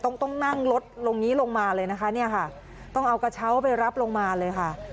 ต้องต้องนั่งรถตรงนี้ลงมาเลยนะคะเนี่ยค่ะต้องเอากระเช้าไปรับลงมาเลยค่ะ